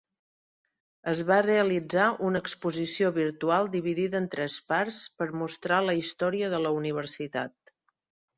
Es va realitzar una exposició virtual dividida en tres parts per a mostrar la història de la universitat.